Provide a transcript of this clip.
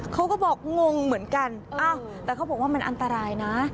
เขาก็บอกงงเหมือนกันแต่เขาบอกว่ามันอันตรายนะ